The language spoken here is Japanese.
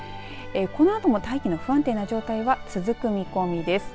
このあとも大気の不安定な状態は続く見込みです。